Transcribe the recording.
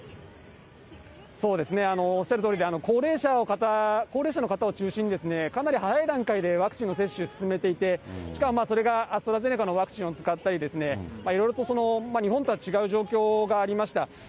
そうですね、おっしゃるとおりで、高齢者の方を中心に、かなり早い段階でワクチンを接種進めていて、しかも、それがアストラゼネカのワクチンを使ったりですね、いろいろと日本とは違う状況がありました。